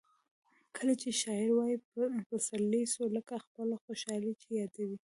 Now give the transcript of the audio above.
کله چي شاعر وايي پسرلی سو؛ لکه خپله خوشحالي چي یادوي.